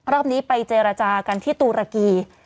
รอบนี้ไปเจรจากันที่ตุรกี